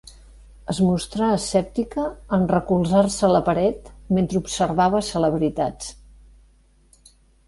Es mostrar escèptica en recolzar-se a la paret mentre observava celebritats.